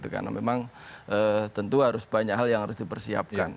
karena memang tentu harus banyak hal yang harus dipersiapkan